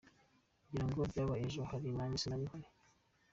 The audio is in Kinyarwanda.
Ngira ngo byabaye ejo ahari, nanjye sinari mpari.